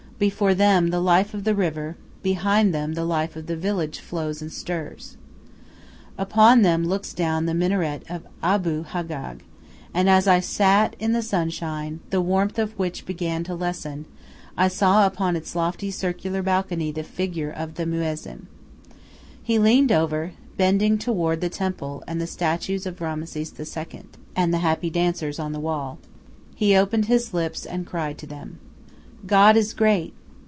Before them the life of the river, behind them the life of the village flows and stirs. Upon them looks down the Minaret of Abu Haggag; and as I sat in the sunshine, the warmth of which began to lessen, I saw upon its lofty circular balcony the figure of the muezzin. He leaned over, bending toward the temple and the statues of Rameses II. and the happy dancers on the wall. He opened his lips and cried to them: "God is great.